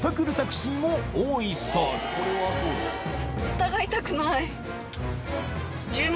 疑いたくない。